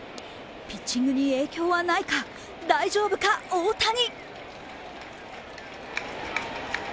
ピッチングに影響はないか、大丈夫か大谷。